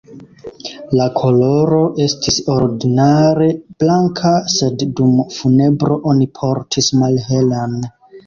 La koloro estis ordinare blanka, sed dum funebro oni portis malhelan.